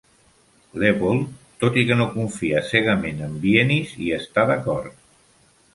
Lepold, tot i que no confia cegament en Wienis, hi està d'acord.